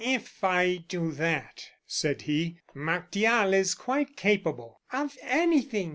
"If I do that," said he, "Martial is quite capable " "Of anything!